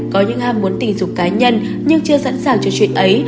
có những ham muốn tình dục cá nhân nhưng chưa sẵn sàng cho chuyện ấy